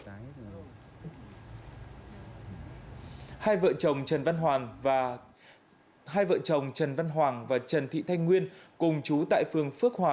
hai vợ chồng trần văn hoàng và trần thị thanh nguyên cùng chú tại phường phước hòa